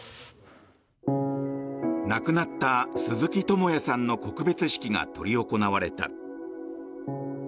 亡くなった鈴木智也さんの告別式が執り行われた。